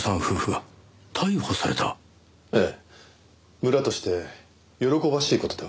村として喜ばしい事では？